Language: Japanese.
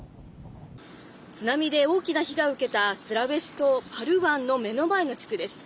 津波で大きな被害を受けたスラウェシ島パル湾の目の前の地区です。